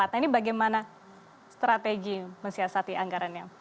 nah ini bagaimana strategi mensiasati anggarannya